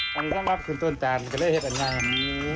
งานสำหรับขึ้นท้นจานเกิดได้เท่านั้น